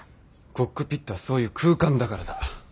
コックピットはそういう空間だからだ。